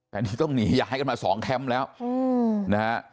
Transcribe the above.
แต่นี่ต้องหนีย้ายกันมา๒แคมป์แล้วนะฮะ